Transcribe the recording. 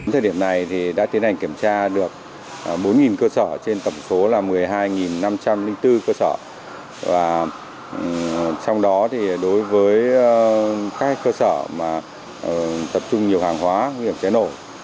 thời điểm này đã tiến hành kiểm tra được bốn cơ sở trên tổng số là một mươi hai năm trăm linh bốn cơ sở và trong đó đối với các cơ sở tập trung nhiều hàng hóa nguy hiểm cháy nổ